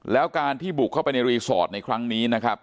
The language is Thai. แล้วการที่บุกเข้าไปในรีสอร์ทในครั้งนี้นะครับ